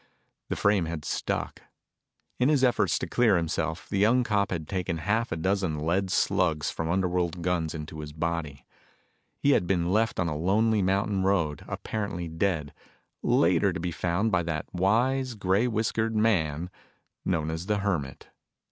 The frame had stuck. In his efforts to clear himself, the young cop had taken half a dozen lead slugs from underworld guns into his body. He had been left on a lonely mountain road, apparently dead, later to be found by that wise, gray whiskered man known as the Hermit.